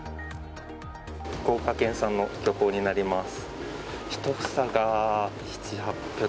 福岡県産の巨峰になります。